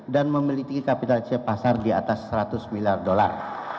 dan memiliki kapitalisasi pasar di atas seratus miliar dolar